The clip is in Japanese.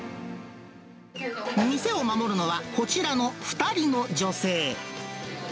店を守るのは、こちらの２人の女性。